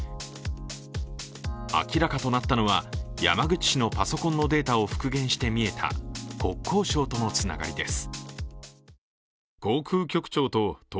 明らかとなったのは、山口氏のパソコンのデータを復元して見えた国交省とのつながりです。